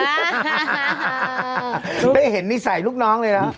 ได้เห็นนิสัยลูกน้องเลยนะ